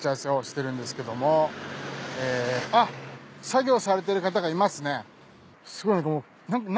あっ作業されてる方がいますね。